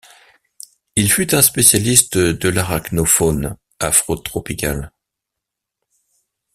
Il fut un spécialiste de l'arachnofaune afrotropicale.